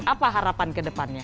apa harapan kedepannya